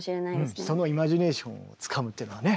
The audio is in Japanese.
そのイマジネーションをつかむっていうのはね